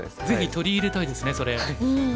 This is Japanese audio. ぜひ取り入れたいですねそれ。